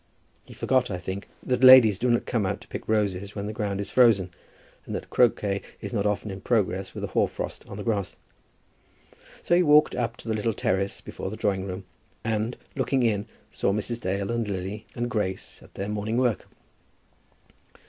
He forgot, I think, that ladies do not come out to pick roses when the ground is frozen, and that croquet is not often in progress with the hoar frost on the grass. So he walked up to the little terrace before the drawing room, and looking in saw Mrs. Dale, and Lily, and Grace at their morning work.